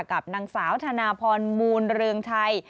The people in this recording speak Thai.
กับนางสาวธนาพรมูลเรืองชัย